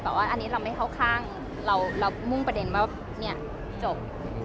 แต่ว่าอันนี้เราไม่เข้าข้างเรามุ่งประเด็นว่าเนี่ยจบ